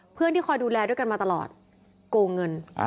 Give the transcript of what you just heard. ที่คอยดูแลด้วยกันมาตลอดโกงเงิน